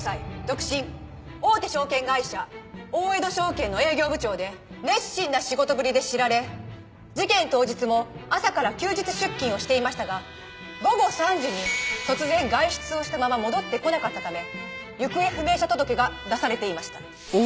大手証券会社大江戸証券の営業部長で熱心な仕事ぶりで知られ事件当日も朝から休日出勤をしていましたが午後３時に突然外出をしたまま戻ってこなかったため行方不明者届が出されていました。